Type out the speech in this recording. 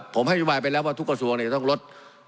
ผมให้นโยบายไปแล้วว่าทุกกระทรวงจะต้องลด